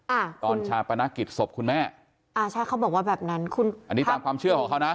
อ่าตอนชาปนกิจศพคุณแม่อ่าใช่เขาบอกว่าแบบนั้นคุณอันนี้ตามความเชื่อของเขานะ